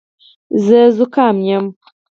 زه زوکام یم